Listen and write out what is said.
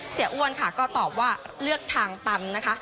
อ้วนค่ะก็ตอบว่าเลือกทางตันนะคะ